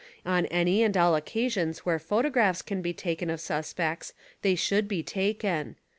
On any and all occasions where photographs can be taken of suspects they should be (taken).